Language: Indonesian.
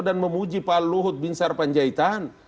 dan memuji pak luhut bin sarpanjaitan